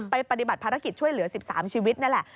ปฏิบัติภารกิจช่วยเหลือ๑๓ชีวิตนั่นแหละ